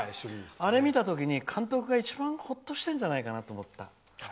あれ見たときに監督が一番ほっとしてるんじゃないかと思った。